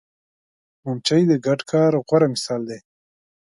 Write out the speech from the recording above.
مچمچۍ د ګډ کار غوره مثال ده